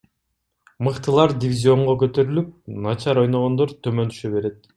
Мыктылар дивизионго көтөрүлүп, начар ойногондор төмөн түшө берет.